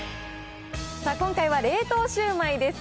今回は、冷凍シュウマイです。